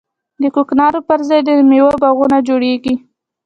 د کوکنارو پر ځای د میوو باغونه جوړیږي.